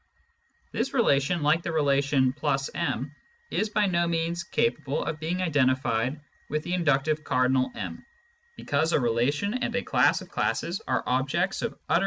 This relation, like the relation \ m, is by no means capable of being identified with the inductive cardinal number m, because a relation and a class of classes are objects 1 Vol.